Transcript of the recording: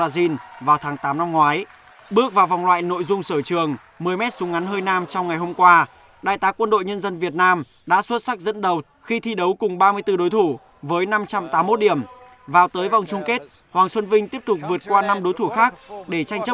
xin chào và hẹn gặp lại trong các video tiếp theo